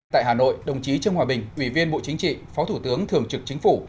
tại hà nội đồng chí trương hòa bình ủy viên bộ chính trị phó thủ tướng thường trực chính phủ